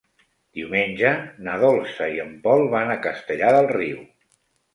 Diumenge na Dolça i en Pol van a Castellar del Riu.